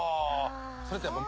それってやっぱ。